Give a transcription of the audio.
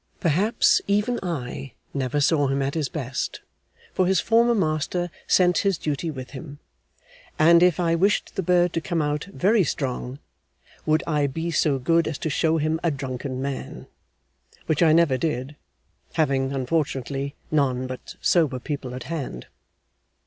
Perhaps even I never saw him at his best, for his former master sent his duty with him, 'and if I wished the bird to come out very strong, would I be so good as to show him a drunken man' which I never did, having (unfortunately) none but sober people at hand.